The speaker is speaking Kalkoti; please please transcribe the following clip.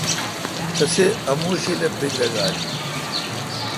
تسے°اموشیل اے°بیدرگََاراین۔